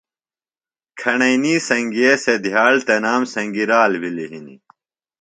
کھݨئنی سنگِیے سےۡ دِھیاڑ تنام سنگیۡ رال بھِلیۡ ہِنیۡ